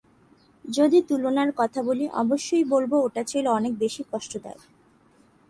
যদি তুলনার কথা বলি, অবশ্যই বলব ওটা ছিল অনেক বেশি কষ্টদায়ক।